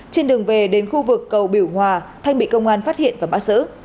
trên đường về đến khu vực cầu bửu hòa thanh bị công an phát hiện và bắt xử